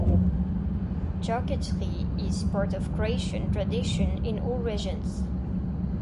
Charcuterie is part of Croatian tradition in all regions.